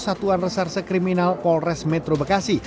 satuan reserse kriminal polres metro bekasi